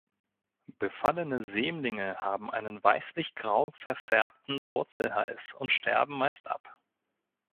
Befallene Sämlinge haben einen weißlich grau verfärbten Wurzelhals und sterben meist ab.